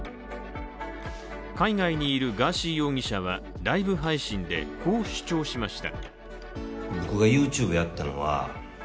海外にいるガーシー容疑者はライブ配信でこう主張しました。